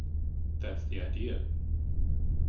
That's the idea.